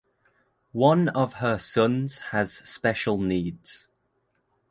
One of her sons has special needs.